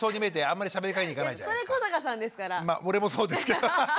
ま俺もそうですけど。